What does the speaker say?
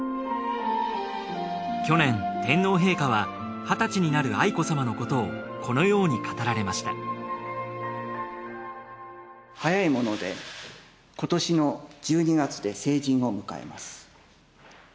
去年天皇陛下は二十歳になる愛子さまのことをこのように語られました早いもので今年の１２月で成人を迎えます。